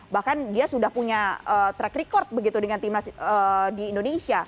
bahkan dia sudah punya track record begitu dengan timnas di indonesia